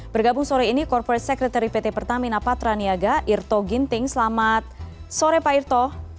bergabung sore ini corporate secretary pt pertamina patraniaga irto ginting selamat sore pak irto